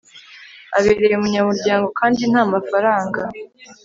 abereye umunyamuryango kandi ntamafaranga